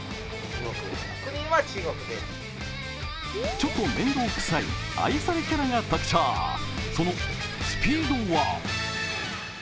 ちょっと面倒くさい愛されキャラが特徴そのスピードは？